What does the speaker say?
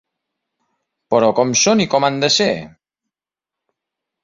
Però com són i com han de ser?